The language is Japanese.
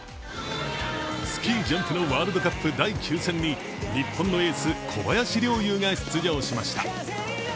スキージャンプのワールドカップ第９戦に日本のエース、小林陵侑が出場しました。